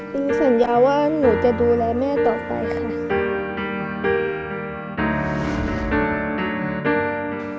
หนูสัญญาว่าหนูจะดูแลแม่ต่อไปค่ะ